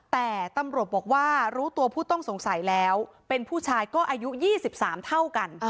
แต่ตำรวจบอกว่ารู้ตัวผู้ต้องสงสัยแล้วเป็นผู้ชายก็อายุ๒๓เท่ากัน